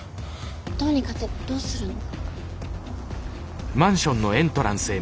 どうにかってどうするの？